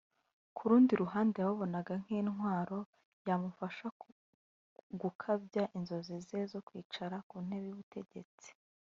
Ku rundi ruhande yababonaga nk’intwaro yamufasha gukabya inzozi ze zo kwicara ku ntebe y’ubutegetsi